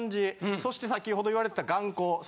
そして先ほど言われてた。